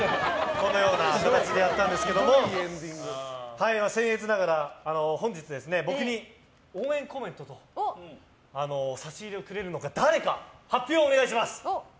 このような形でやったんですけれども僭越ながら本日、僕に応援コメントと差し入れをくれるのが誰か発表をお願いします。